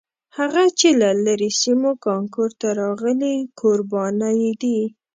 هغه چې له لرې سیمو کانکور ته راغلي کوربانه یې دي.